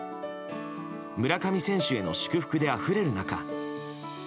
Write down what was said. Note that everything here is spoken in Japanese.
村上選手への祝福であふれる中。